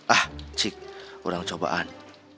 ah cik kurang cobaan